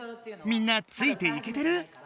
みんなついていけてる？